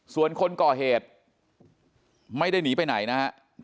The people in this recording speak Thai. ส่วนคนก่อเหตุไม่ได้หนีไปไหนนะฮะ